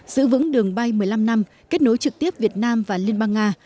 giữ vững đường bay một mươi năm năm kết nối trực tiếp việt nam và liên bang nga